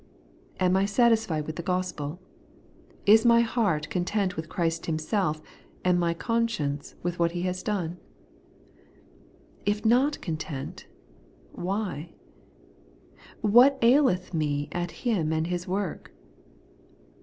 Am I satisfied with the gospel ? Is my heart content with Christ Himself, and my conscience with what He has done ? If Tiot content, why ? What aileth me at Him and His work